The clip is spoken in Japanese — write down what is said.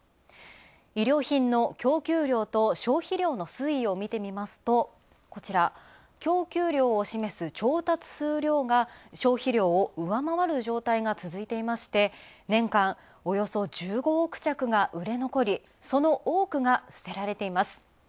衣料品の供給量と消費量の推移を見て見ますと、こちら、供給量を示す、調達数量が、消費量を上回る状況が続いていまして、年間およそ１５億着が売れ残り、その多くが捨てられています。